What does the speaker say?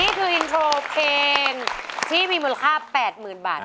นี่คืออินโทรเพลงที่มีมูลค่า๘๐๐๐บาท